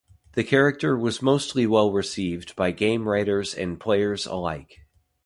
The character was mostly well received by game writers and players alike.